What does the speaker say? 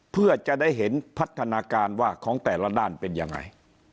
เพื่อจะได้เห็นพัฒนาการว่าของแต่ละด้านเป็นยังไง